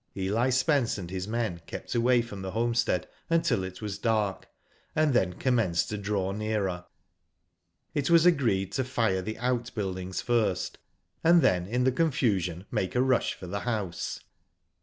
Eli Spence and his men kept away from the homestead until it was dark, and then commenced to draw nearer. It was agreed to fire the outbuildings first, and then, in the confusion, make a rush for the house.